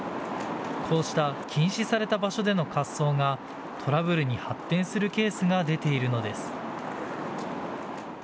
こうした禁止された場所での滑走がトラブルに発展するケースが出ているのです。